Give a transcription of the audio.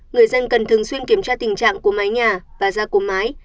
người dân cần thường xuyên kiểm tra tình trạng của mái nhà và da của mái